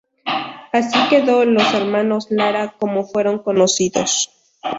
Así quedó los hermanos Lara como fueron conocidos.